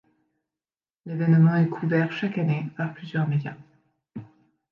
L'événement est couvert chaque année par plusieurs média.